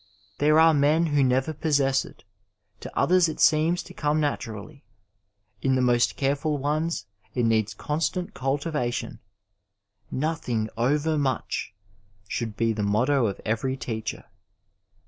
These are men who never possess it ; to others it se^ns to come naturally. In the most car^hil ones it needs constant oulitivation fiotiUnjf over much should be the motto of every teacher.